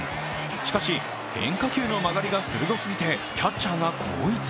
しかし、変化球の曲がりが鋭すぎてキャッチャーが後逸。